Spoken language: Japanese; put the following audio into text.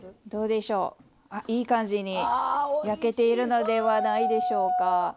いい感じに焼けているのではないでしょうか。